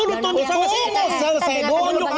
tunggu saya gunjuk dulu